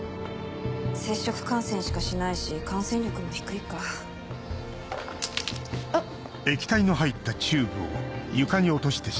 接触感染しかしないし感染力も低いかどうした？